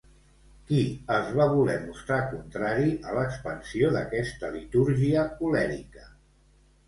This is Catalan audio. Qui es va voler mostrar contrari a l'expansió d'aquesta litúrgia colèrica?